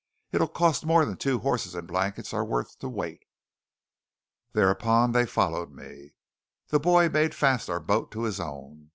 "It'll cost more than those horses and blankets are worth to wait." Thereupon they followed me. The boy made fast our boat to his own.